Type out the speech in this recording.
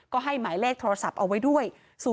ก็ให้หมายเลขโทรศัพท์เอาไว้ด้วย